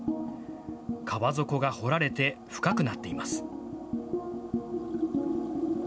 川底が掘られて深くなっています。